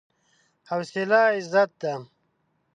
حوصله عزت ده.